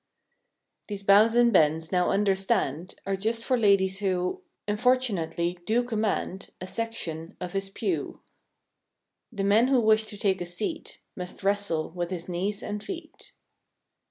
These "bows and bends," now understand. Are just for ladies who. Unfortunately do' command A section of his pew. The men who wish to take a seat Must wrestle with his knees and feet.